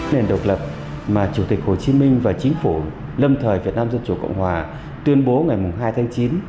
nền độc lập mà chủ tịch hồ chí minh và chính phủ lâm thời việt nam dân chủ cộng hòa tuyên bố ngày hai tháng chín